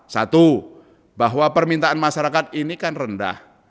satu bahwa permintaan masyarakat ini kan rendah